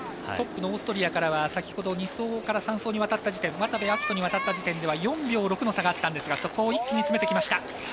トップのオーストリアからは２走から３走渡部暁斗にわたった時点では４秒６の差があったんですがそこを一気に詰めてきました。